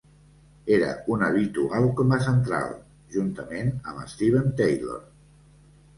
Era un habitual com a central, juntament amb Steven Taylor.